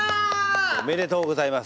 おめでとうございます。